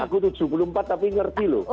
aku tujuh puluh empat tapi ngerti loh